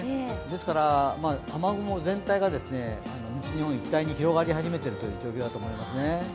ですから、雨雲全体が西日本一帯に広がり始めているという状況だと思いますね。